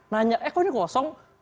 nanya eh kok ini kosong